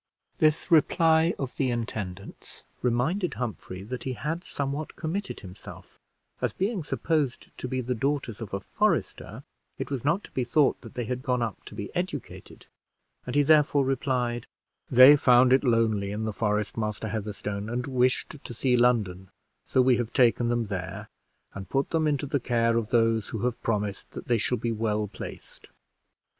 This reply of the intendant's reminded Humphrey that he had somewhat committed himself, as, being supposed to be the daughters of a forester, it was not to be thought that they had gone up to be educated; and he therefore replied "They found it lonely in the forest, Master Heatherstone, and wished to see London; so we have taken them there, and put them into the care of those who have promised that they shall be well placed."